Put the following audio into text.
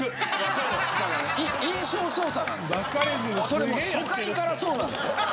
それもう初回からそうなんですよ。